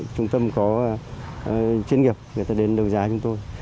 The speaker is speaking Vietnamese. trung tâm có chuyên nghiệp người ta đến đấu giá chúng tôi